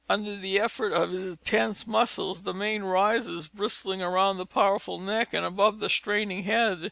Under the effort of his tense muscles, the mane rises, bristling, around the powerful neck and above the straining head.